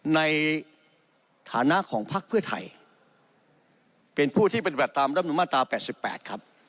ในฐานะของพักเพื่อไทยเป็นผู้ที่ปฏิบัติตามรำนุนมาตรา๘๘ครับ